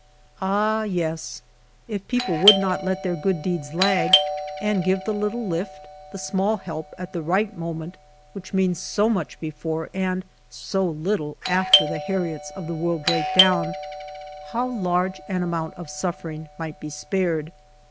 Ah, yes; if people would not let their good deeds lag, and give the little lift, the small help, at the right moment, which means so much before and so little after the Harriets of the world break down, how large an amount of suffering might be spared.